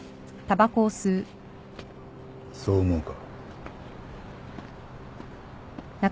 そう思うか？